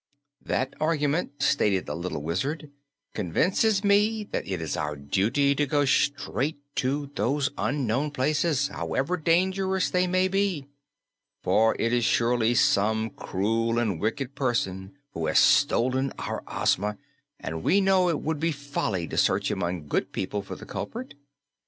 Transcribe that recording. "That argument," stated the little Wizard, "convinces me that it is our duty to go straight to those unknown places, however dangerous they may be, for it is surely some cruel and wicked person who has stolen our Ozma, and we know it would be folly to search among good people for the culprit.